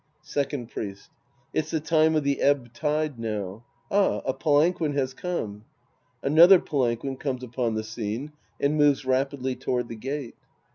Second Priest. It's the time of the ebb tide now. Ah, a palanquin has come. (Another palanquin comes upon the scene and moves rapidly toward the gate.